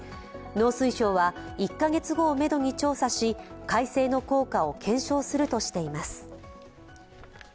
農水省は１カ月後をめどに調査し改正の効果を検証するとしています。